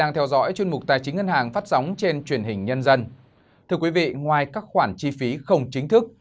thưa quý vị ngoài các khoản chi phí không chính thức